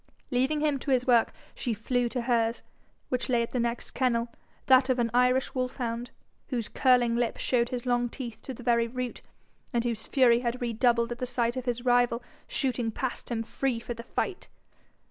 Leaving him to his work, she flew to hers, which lay at the next kennel, that of an Irish wolf hound, whose curling lip showed his long teeth to the very root, and whose fury had redoubled at the sight of his rival shooting past him free for the fight.